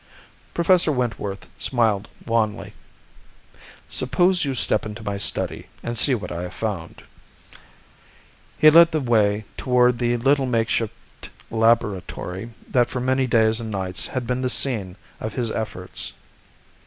Professor Wentworth smiled wanly. "Suppose you step into my study and see what I have found." He led the way toward the little makeshift laboratory that for many days and nights had been the scene of his efforts.